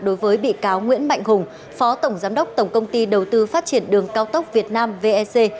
đối với bị cáo nguyễn mạnh hùng phó tổng giám đốc tổng công ty đầu tư phát triển đường cao tốc việt nam vec